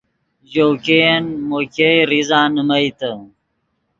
ژؤ ګئین مو ګئے ریزہ نیمئیتے